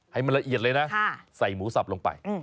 ให้มันละเอียดเลยนะใส่หมูสับลงไป